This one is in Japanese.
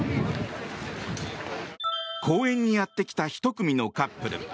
公園にやってきた１組のカップル。